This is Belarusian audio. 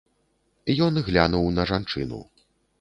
Ён глянуў на жанчыну.